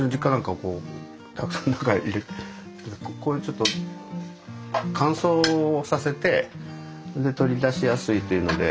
こういうちょっと乾燥をさせてで取り出しやすいというので。